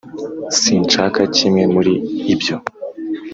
sinshaka kimwe muri ibyo.